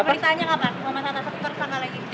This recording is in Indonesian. beritanya ke pak